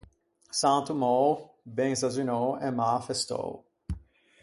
San Tommou, ben zazzunou e mâ affestou.